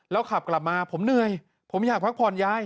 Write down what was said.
ขับกลับมาผมเหนื่อยผมอยากพักผ่อนยาย